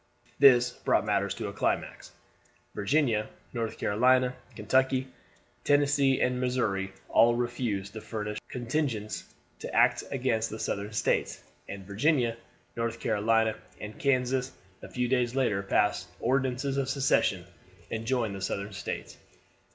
This brought matters to a climax. Virginia, North Carolina, Kentucky, Tennessee, and Missouri all refused to furnish contingents to act against the Southern States; and Virginia, North Carolina, and Kansas a few days later passed Ordinances of Secession and joined the Southern States.